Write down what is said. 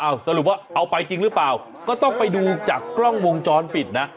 เอาสรุปว่าเอาไปจริงหรือเปล่าก็ต้องไปดูจากกล้องวงจรปิดนะ